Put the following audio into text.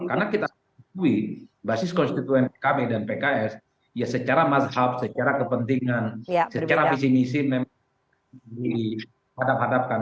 karena kita ketahui basis konstituen pkb dan pks ya secara mazhab secara kepentingan secara visi misi memang dihadap hadapkan